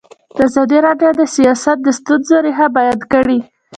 ازادي راډیو د سیاست د ستونزو رېښه بیان کړې.